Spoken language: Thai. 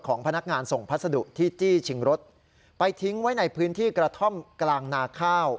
พนักงานส่งพัสดุที่จี้ชิงรถไปทิ้งไว้ในพื้นที่กระท่อมกลางนาข้าว